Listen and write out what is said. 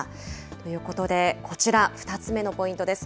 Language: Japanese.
ということで、こちら、２つ目のポイントです。